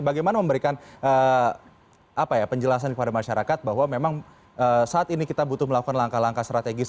bagaimana memberikan penjelasan kepada masyarakat bahwa memang saat ini kita butuh melakukan langkah langkah strategis